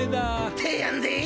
てやんでえ！